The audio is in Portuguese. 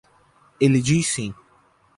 Ele diz sim.